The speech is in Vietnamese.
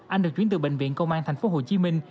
anh được chuyển từ bệnh viện công an thành phố hồ chí minh